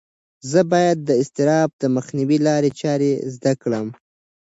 زه باید د اضطراب د مخنیوي لارې چارې زده کړم.